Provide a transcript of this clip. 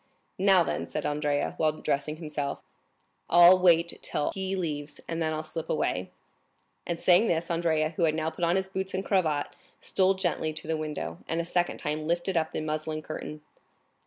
"Now then," said Andrea, while dressing himself, "I'll wait till he leaves, and then I'll slip away." 50047m And, saying this, Andrea, who had now put on his boots and cravat, stole gently to the window, and a second time lifted up the muslin curtain.